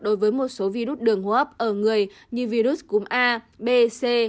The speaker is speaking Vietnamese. đối với một số virus đường hô hấp ở người như virus cúm a b c